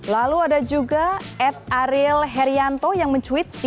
lalu ada juga ed ariel herianto yang mencuit